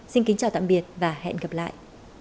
xin kính chào tạm biệt và hẹn gặp lại